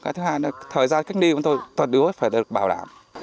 thứ hai là thời gian cách đi của chúng tôi toàn đối với phải được bảo đảm